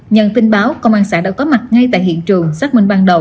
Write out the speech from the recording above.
nhận tin báo công an xã đã có mặt ngay tại hiện trường xác minh ban đầu